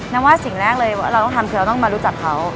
ว่าสิ่งแรกเลยว่าเราต้องทำคือเราต้องมารู้จักเขา